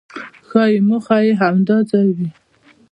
ښایي موخه یې همدا ځای وي.